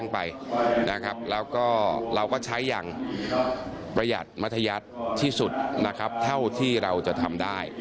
ประหยัดมัธยัดที่สุดนะครับเท่าที่เราจะทำได้